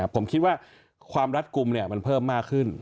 ผมคิดว่าความรัดกลุ่มมันเพิ่มมากขึ้น